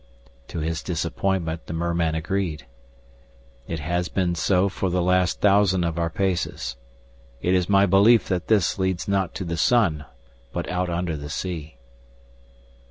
To his disappointment the merman agreed. "It has been so for the last thousand of our paces. It is my belief that this leads not to the sun but out under the sea."